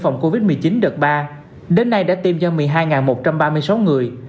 phòng covid một mươi chín đợt ba đến nay đã tiêm cho một mươi hai một trăm ba mươi sáu người